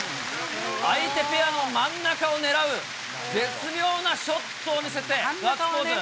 相手ペアの真ん中を狙う、絶妙なショットを見せて、ガッツポーズ。